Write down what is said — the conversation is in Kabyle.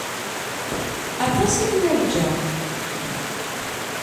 Aṭas i ak-nurǧa.